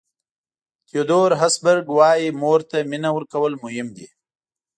تیودور هسبرګ وایي مور ته مینه ورکول مهم دي.